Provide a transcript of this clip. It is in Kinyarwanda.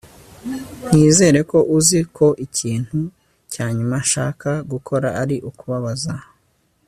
nizere ko uzi ko ikintu cya nyuma nshaka gukora ari ukubabaza